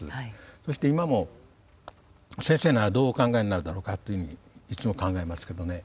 そして今も先生ならどうお考えになるだろうかというふうにいつも考えますけどね。